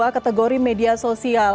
kategori media sosial